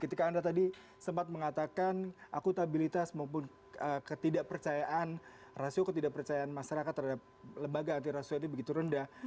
ketika anda tadi sempat mengatakan akutabilitas maupun ketidakpercayaan rasio ketidakpercayaan masyarakat terhadap lembaga anti rasio ini begitu rendah